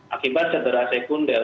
akibat cedera sekunder